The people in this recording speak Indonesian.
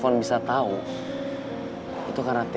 nggak tau mbak